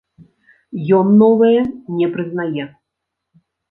Ён новыя не прызнае.